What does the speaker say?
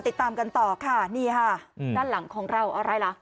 ติดตามต่อค่ะนี่ฮะหน้านานหลังของเราอะไรล่ะ